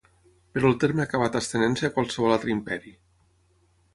Però el terme ha acabat estenent-se a qualsevol altre imperi.